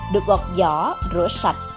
được gọt giỏ rửa sạch